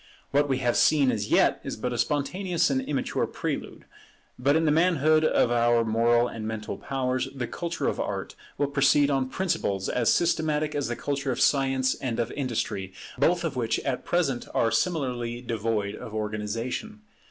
What we have seen as yet is but a spontaneous and immature prelude; but in the manhood of our moral and mental powers, the culture of Art will proceed on principles as systematic as the culture of Science and of Industry, both of which at present are similarly devoid of organization.